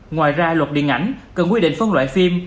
ngoài ra luật điện ảnh cần quy định phân loại phim